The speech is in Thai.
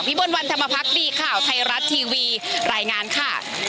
บนวันธรรมพักดีข่าวไทยรัฐทีวีรายงานค่ะ